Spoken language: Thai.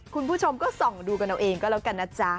คุณผู้ชมก็ส่องดูกันเอาเองก็แล้วกันนะจ๊ะ